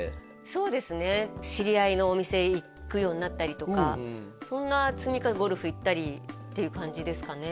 そうですね知り合いのお店行くようになったりとかそんなゴルフ行ったりっていう感じですかね